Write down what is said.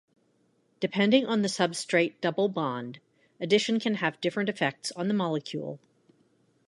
Depending on the substrate double bond, addition can have different effects on the molecule.